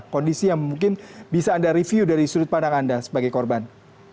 kondisi yang mungkin bisa anda review dari sudut pandang anda sebagai korban